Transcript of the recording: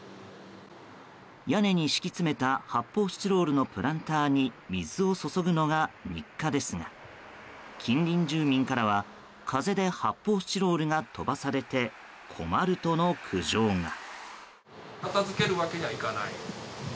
屋根に敷き詰めた発泡スチロールのプランターに水を注ぐのが日課ですが近隣住民からは風で発泡スチロールが飛ばされて困るとの苦情が。